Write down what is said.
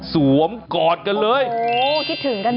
หมอกิตติวัตรว่ายังไงบ้างมาเป็นผู้ทานที่นี่แล้วอยากรู้สึกยังไงบ้าง